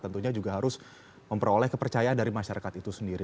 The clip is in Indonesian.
tentunya juga harus memperoleh kepercayaan dari masyarakat itu sendiri